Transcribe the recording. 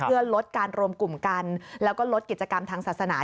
เพื่อลดการรวมกลุ่มกันแล้วก็ลดกิจกรรมทางศาสนา